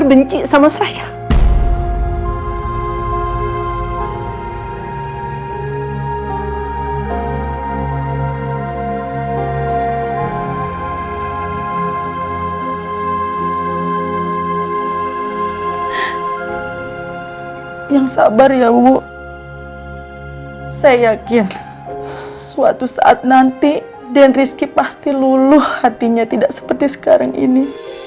den rizky pasti luluh hatinya tidak seperti sekarang ini